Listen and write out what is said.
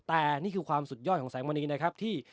แต่นี่คือความสุดยอดของแสงมณีนะครับที่